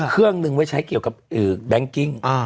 เครื่องหนึ่งไว้ใช้เกี่ยวกับแบงค์กิ้ง